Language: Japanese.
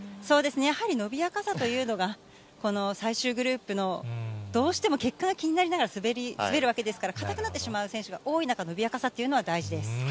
そうですね、やはり伸びやかさというのが、この最終グループの、どうしても結果が気になりながら、滑るわけですから、硬くなってしまう選手が多い中、伸びやかさっていうのは大事です。